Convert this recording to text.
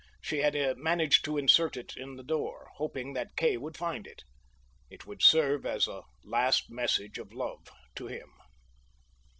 She had managed to insert it in the door, hoping that Kay would find it. It would serve as a last message of love to him.